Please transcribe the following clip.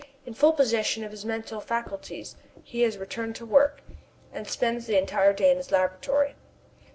In full possession of his mental faculties he has returned to work, and spends the entire day in his laboratory.